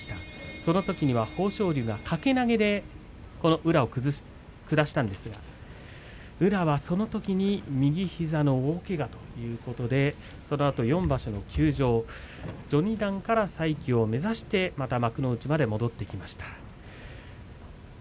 そのときには豊昇龍が掛け投げで宇良を下したんですが宇良はそのときに右膝の大けがということでそのあと４場所の休場序二段から再起を目指してまた幕内まで戻っていきした。